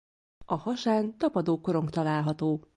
A hasán tapadókorong található.